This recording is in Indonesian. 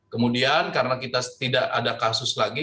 kemudian karena kita tidak ada kasus lagi